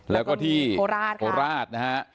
แล้วก็ที่โคราชโคราชนะฮะ